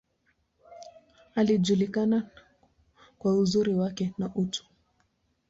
Alijulikana kwa uzuri wake, na utu.